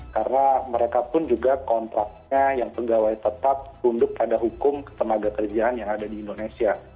karena mereka pun juga kontraknya yang pegawai tetap tunduk pada hukum ketenaga kerjaan yang ada di indonesia